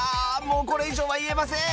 もうこれ以上は言えません！